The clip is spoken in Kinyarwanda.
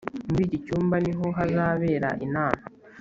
muri iki cyumba niho hazabera inama